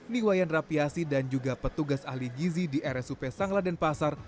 niwayan rapiasi dan juga petugas ahli gizi di rs up sanglah dan pasar